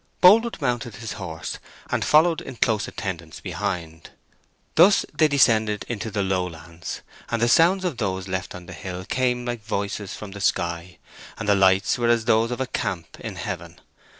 Boldwood mounted his horse, and followed in close attendance behind. Thus they descended into the lowlands, and the sounds of those left on the hill came like voices from the sky, and the lights were as those of a camp in heaven.